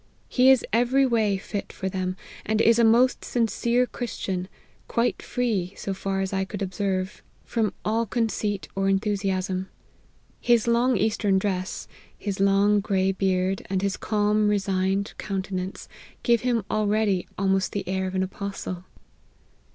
He is every way fit for them, and is a most sincere Christian, quite free, so far as I could observe, from all conceit or enthu * A rupee is worth about fifty cents. APPENDIX. ' 239 siasm. His long eastern dress, his long grey beard, and his calm, resigned countenance, give him al ready almost the air of an apostle."